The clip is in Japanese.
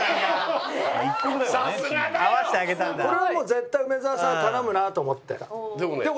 さすがだよ！これはもう絶対梅沢さん頼むなと思ってた。